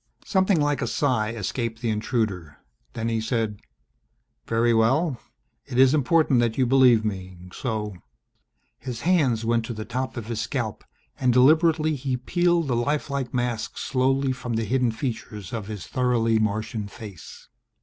Something like a sigh escaped the intruder. Then he said, "Very well. It is important that you believe me, so " His hands went to the top of his scalp and deliberately he peeled the life like mask slowly from the hidden features of his thoroughly Martian face!